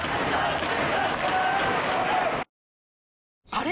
あれ？